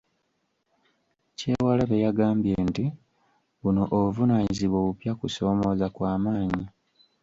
Kyewalabye yagambe nti buno obuvunaanyizibwa obupya kusoomooza kwa maanyi.